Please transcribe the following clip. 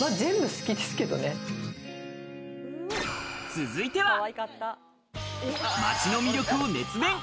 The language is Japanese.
続いては、街の魅力を熱弁。